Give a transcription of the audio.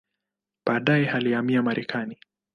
Baadaye alihamia Marekani.